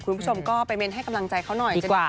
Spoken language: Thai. คุณผู้ชมก็ไปเม้นให้กำลังใจเขาหน่อยจะดีกว่า